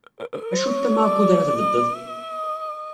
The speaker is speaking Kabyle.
Acu n tama ukud ara tbeddeḍ?